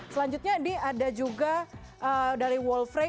selanjutnya di ada juga dari wolfrey